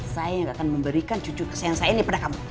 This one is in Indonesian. sayang akan memberikan cucu kesayang saya ini pada kamu